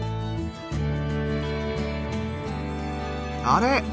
あれ？